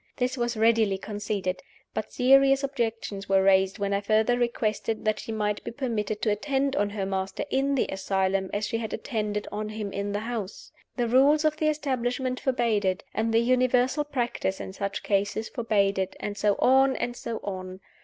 This was readily conceded. But serious objections were raised when I further requested that she might be permitted to attend on her master in the asylum as she had attended on him in the house. The rules of the establishment forbade it, and the universal practice in such cases forbade it, and so on, and so on.